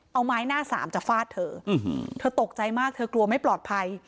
เอาไม้หน้าสามจะฟาดเธอเธอตกใจมากเธอกลัวไม่ปลอดภัย